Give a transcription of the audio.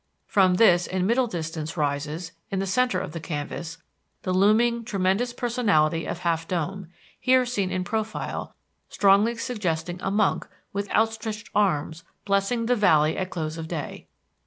From this in middle distance rises, in the centre of the canvas, the looming tremendous personality of Half Dome, here seen in profile strongly suggesting a monk with outstretched arms blessing the valley at close of day.